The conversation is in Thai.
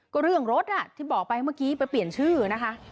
ก็เรื่องรถที่บอกไปเมื่อกี้ไปเปลี่ยนชื่อนะคะ